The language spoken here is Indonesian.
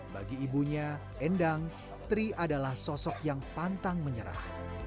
bagi ibunya endang tri adalah sosok yang pantang menyerah